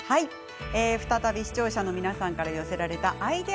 再び視聴者の皆さんから寄せられたアイデア